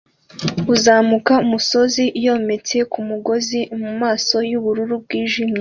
Uzamuka umusozi yometse kumugozi mumaso yubururu bwijimye